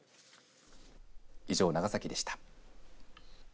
以上長崎でした。